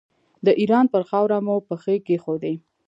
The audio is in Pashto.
د ایران پر خاوره مو پښې کېښودې.